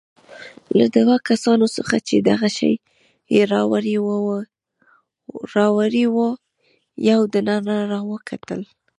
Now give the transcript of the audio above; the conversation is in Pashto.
له دوو کسانو څخه چې دغه شی يې راوړی وو، یو دننه راوکتل.